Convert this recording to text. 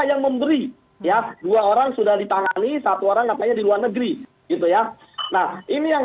yang memberi ya dua orang sudah ditangani satu orang katanya di luar negeri gitu ya nah ini yang